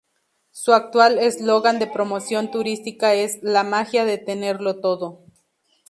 Su actual eslogan de promoción turística es "La magia de tenerlo todo".